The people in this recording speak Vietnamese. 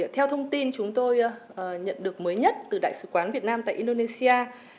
theo thông tin chúng tôi nhận được mới nhất từ đại sứ quán việt nam tại indonesia